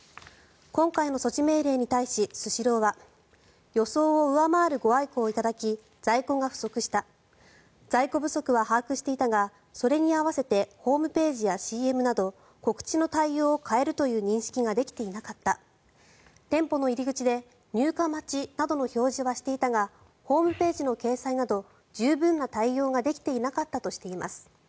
今回の措置命令に対しスシローは予想を上回るご愛顧をいただき在庫が不足した在庫不足は把握していたがそれに合わせてホームページやＣＭなど告知の対応を変えるという認識ができていなかった店舗の入り口で入荷待ちなどの表示はしていたがホームページの掲載など十分な対応ができていなかったとしています。